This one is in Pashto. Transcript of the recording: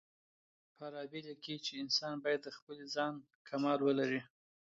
فارابي ليکي چي انسان بايد د خپل ځان کمال ولري.